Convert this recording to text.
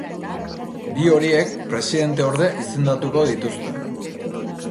Bi horiek presidenteorde izendatuko dituzte.